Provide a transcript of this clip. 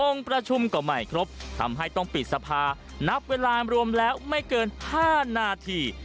ประชุมก็ไม่ครบทำให้ต้องปิดสภานับเวลารวมแล้วไม่เกิน๕นาที